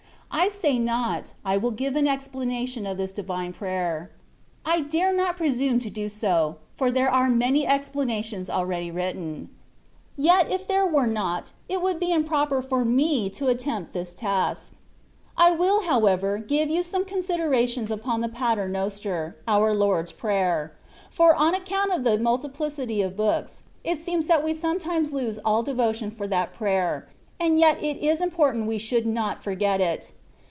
I say not, I will give an expla nation of this divine prayer. I dare not presnme to do so, for there are many explanations already written. Yet if there were not, it would be im proper for me [to attempt the task.^] I will, however, give you some considerations upon the " Pater Noster,^^ our Lord's Prayer ; for, on ac count of the multiplicity of books, it seems that we sometimes lose all devotion for that prayer; and yet it is important we should not forget it.